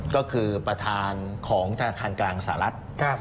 ก็คือประธานของธนาคารกลางสหรัฐ